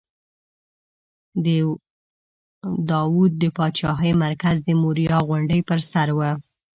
د داود د پاچاهۍ مرکز د موریا غونډۍ پر سر و.